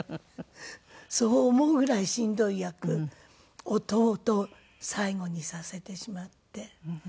そう思うぐらいしんどい役をとうとう最後にさせてしまって。